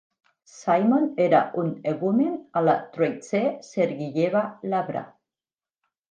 Simon era un hegumen a la Troitse-Sergiyeva Lavra.